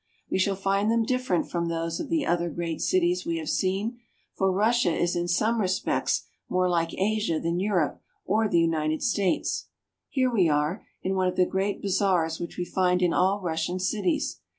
We shall find them different from those of the other great cities we have seen, for Russia is in some respects more like Asia than Europe or the United States. Here we are, in one of the great bazaars which we find in all Russian cities.